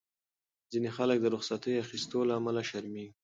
ځینې خلک د رخصتۍ اخیستو له امله شرمېږي.